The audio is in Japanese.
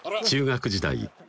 中学時代